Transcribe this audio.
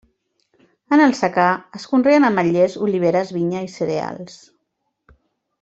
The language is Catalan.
En el secà es conreen ametllers, oliveres, vinya i cereals.